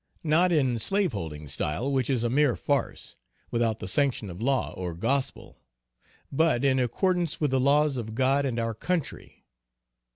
Not in slaveholding style, which is a mere farce, without the sanction of law or gospel; but in accordance with the laws of God and our country.